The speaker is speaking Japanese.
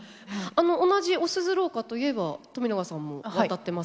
同じお鈴廊下といえば冨永さんも渡ってますよね。